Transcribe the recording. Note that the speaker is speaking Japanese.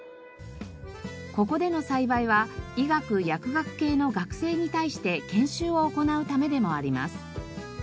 ここでの栽培は医学・薬学系の学生に対して研修を行うためでもあります。